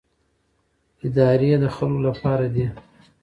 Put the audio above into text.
ادارې د خلکو لپاره دي